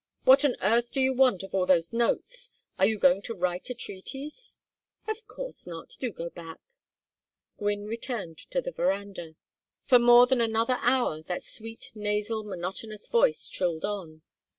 What on earth do you want of all those notes? Are you going to write a treatise?" "Of course not. Do go back." Gwynne returned to the veranda. For more than another hour that sweet nasal monotonous voice trilled on.